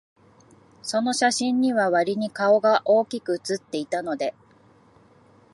その写真には、わりに顔が大きく写っていたので、